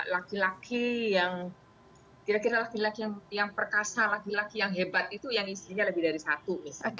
laki laki yang kira kira perkasa laki laki yang hebat itu yang istrinya lebih dari satu